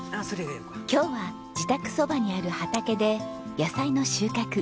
今日は自宅そばにある畑で野菜の収穫。